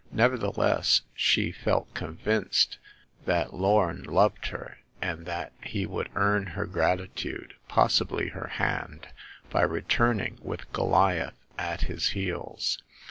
Nevertheless, she felt convinced that Lorn loved her, and that he would earn her gratitude— pos sibly her hand— by returning with Goliath at his heels.